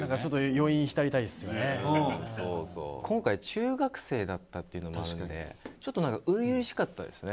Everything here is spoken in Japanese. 今回中学生だったっていうのもあるんでちょっとなんか初々しかったですね。